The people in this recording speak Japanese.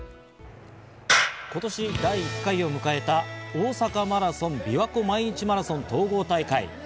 今年、第１回を迎えた大阪マラソン・びわ湖毎日マラソン統合大会。